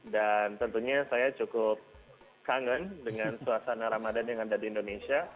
dan tentunya saya cukup kangen dengan suasana ramadan yang ada di indonesia